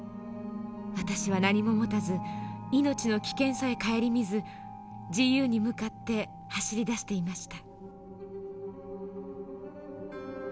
私は何も持たず命の危険さえ顧みず自由に向かって走りだしていました」。